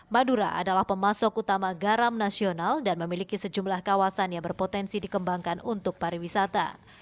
madura adalah pemasok utama garam nasional dan memiliki sejumlah kawasan yang berpotensi dikembangkan untuk pariwisata